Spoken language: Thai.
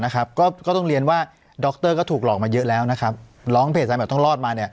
ก็ต้องเรียนว่าดรก็ถูกหลอกมาเยอะแล้วร้องเพจตามแบบต้องรอดมา